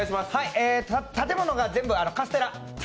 建物が全部カステラ。